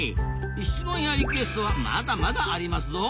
質問やリクエストはまだまだありますぞ！